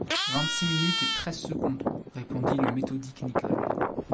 Vingt-six minutes et treize secondes, répondit le méthodique Nicholl.